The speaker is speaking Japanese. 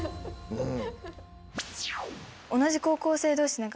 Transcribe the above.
うん。